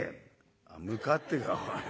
「『向かって』かおい。